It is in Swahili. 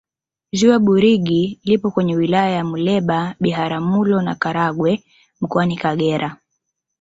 ziwa burigi lipo kwenye wilaya za muleba biharamulo na karagwe mkoani kagera